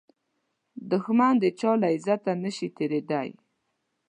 دښمن د چا له عزته نشي تېریدای